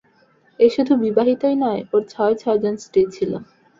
ও শুধু বিবাহিতই নয়, ওর ছয়-ছয়জন স্ত্রী ছিল।